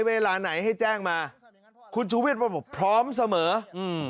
เวลาไหนให้แจ้งมาคุณพร้อมเสมออืม